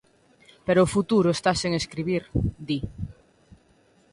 "Pero o futuro está sen escribir", di.